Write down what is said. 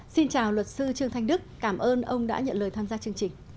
xin chào luật sư trương thanh đức cảm ơn ông đã nhận lời tham gia chương trình